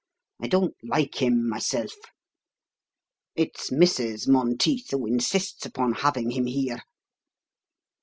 I don't like him myself: it's Mrs. Monteith who insists upon having him here."